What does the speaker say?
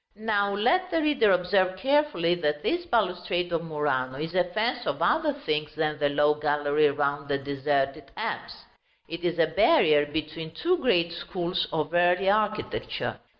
Now let the reader observe carefully that this balustrade of Murano is a fence of other things than the low gallery round the deserted apse. It is a barrier between two great schools of early architecture.